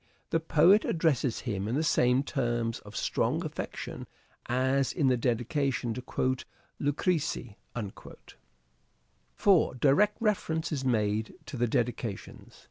The poet addresses him in the same terms of strong affection as in the dedication to " Lucrece." 4. Direct reference is made to the dedications.